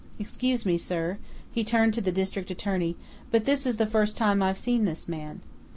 "Excuse me, sir," he turned to the district attorney, "but this is the first time I've seen this man."